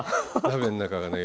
鍋の中がね